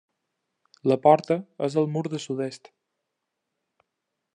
La porta és al mur de sud-est.